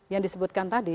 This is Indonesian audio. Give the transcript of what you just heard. yang disebutkan tadi